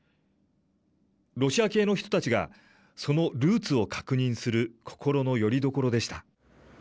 ロシア系の人たちがそのルーツを確認する心のよりどころでした。